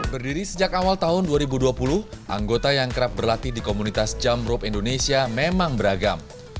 berdiri sejak awal tahun dua ribu dua puluh anggota yang kerap berlatih di komunitas jumprope indonesia memang beragam